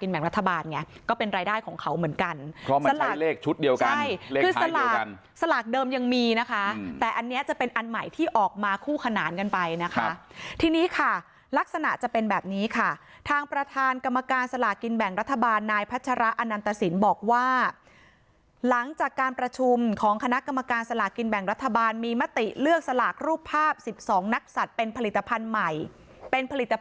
ชุดเดียวกันเลขท้ายเดียวกันสลากเดิมยังมีนะคะแต่อันเนี้ยจะเป็นอันใหม่ที่ออกมาคู่ขนานกันไปนะคะที่นี้ค่ะลักษณะจะเป็นแบบนี้ค่ะทางประธานกรรมการสลากกินแบ่งรัฐบาลนายพัชระอนันตสินบอกว่าหลังจากการประชุมของคณะกรรมการสลากกินแบ่งรัฐบาลมีมติเลือกสลากรูปภาพสิบสองนักสัตว์เป็นผลิตภ